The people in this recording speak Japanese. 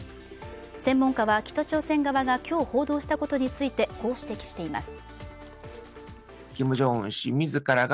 専門家は北朝鮮側が今日報道したことについて、こう指摘しています